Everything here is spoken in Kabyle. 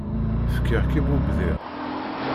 fkiɣ-k i bubdir.